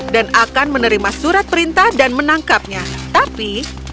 dan akan menerima surat perintah dan menangkapnya tapi